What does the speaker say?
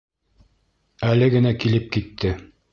Әле генә килеп китте.